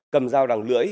cầm dao đằng lưỡi